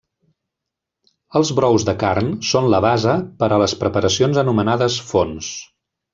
Els brous de carn són la base per a les preparacions anomenades fons.